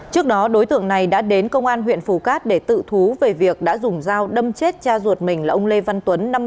trước đó đối tượng này đã đến công an huyện phù cát để tự thú về việc đã dùng dao đâm chết cha ruột mình là ông lê văn tuấn